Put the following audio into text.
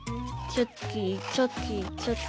チョキチョキチョキ。